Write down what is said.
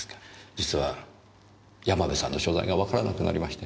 実は山部さんの所在がわからなくなりまして。